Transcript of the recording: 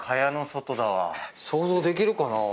想像できるかなぁ。